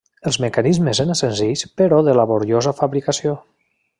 Els mecanismes eren senzills però de laboriosa fabricació.